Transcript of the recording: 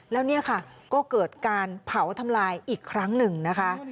แล้วเนี่ยค่ะก็เกิดการเผาทำลายอีกครั้งหนึ่งนะคะ